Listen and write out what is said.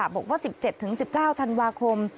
บอกว่า๑๗๑๙ธันวาคม